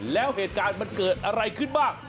แล้วเหตุการณ์มันเกิดอะไรขึ้นบ้าง